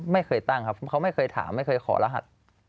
ไม่เคยตั้งครับเขาไม่เคยถามไม่เคยขอรหัส